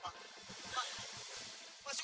kejadian itu sangatlah penting